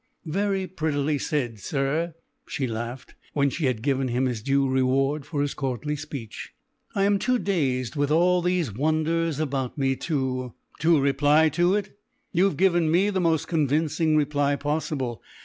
"Very prettily said, sir!" she laughed, when she had given him his due reward for his courtly speech. "I am too dazed with all these wonders about me to " "To reply to it? You've given me the most convincing reply possible.